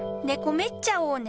めっちゃおうね。